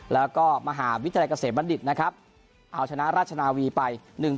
แล้วก็มหาวิทยาลัยเกษมบัณฑิตนะครับเอาชนะราชนาวีไป๑๒